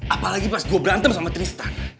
apalagi pas gue berantem sama trista